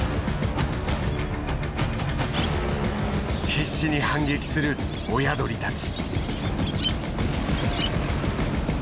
必死に反撃する親鳥たち。